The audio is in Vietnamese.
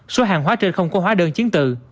số hàng hóa trên không có hóa đơn chiến tự